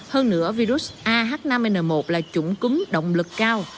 hơn nữa virus ah năm n một là chủng cúm động lực cao